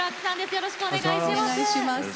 よろしくお願いします。